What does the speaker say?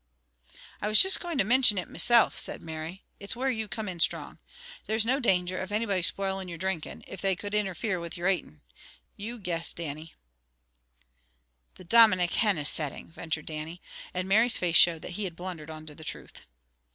"I was just goin' to mintion it meself," said Mary, "it's where you come in strong. There's no danger of anybody spoilin' your drinkin', if they could interfere with your atin'. You guess, Dannie." "The dominick hen is setting," ventured Dannie, and Mary's face showed that he had blundered on the truth.